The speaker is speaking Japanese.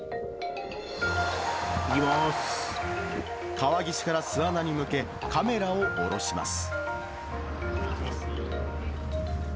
川岸から巣穴に向け、カメラを下ろします。